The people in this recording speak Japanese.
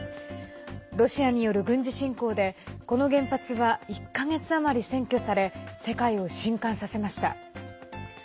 ロシアによる軍事侵攻でこの原発は１か月余り占拠され世界を震かんさせました。